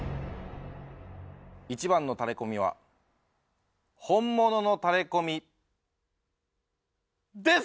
１番のタレコミは本物のタレコミです！